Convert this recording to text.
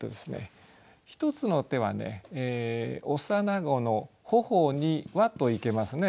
一つの手はね「幼子の頬には」といけますね。